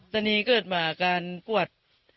ตอนนี้เกิดมาอาการปวด